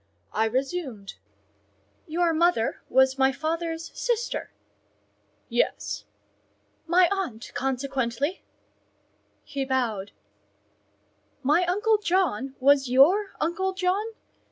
I resumed— "Your mother was my father's sister?" "Yes." "My aunt, consequently?" He bowed. "My uncle John was your uncle John?